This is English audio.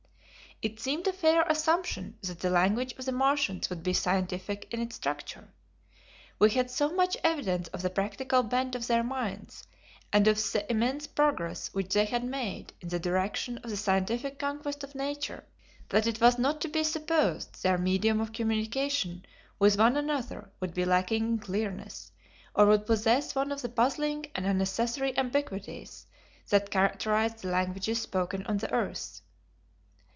It seemed a fair assumption that the language of the Martians would be scientific in its structure. We had so much evidence of the practical bent of their minds, and of the immense progress which they had made in the direction of the scientific conquest of nature, that it was not to be supposed their medium of communication with one another would be lacking in clearness, or would possess any of the puzzling and unnecessary ambiguities that characterized the languages spoken on the earth.